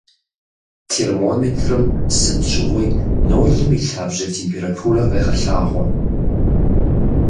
Термометрым сыт щыгъуи нолым и лъабжьэ температурэ къегъэлъагъуэ.